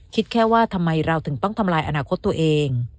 คิดแค่ว่าทำไมเราถึงต้องทำลายอนาคตตัวเอง